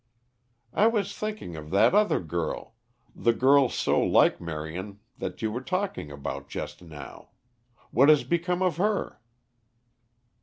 "I was thinking of that other girl, the girl so like Marion that you were talking about just now. What has become of her?"